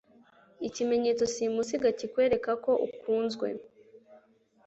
ikimenyesto simusiga kikwereka ko ukunzwe.